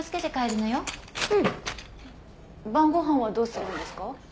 晩ご飯はどうするんですか？